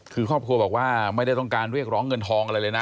คือครอบครัวบอกว่าไม่ได้ต้องการเรียกร้องเงินทองอะไรเลยนะ